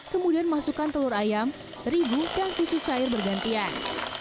kemudian masukkan telur ayam terigu dan susu cair bergantian